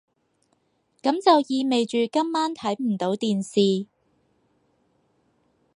噉就意味住今晚睇唔到電視